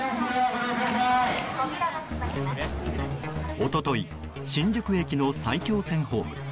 一昨日新宿駅の埼京線ホーム。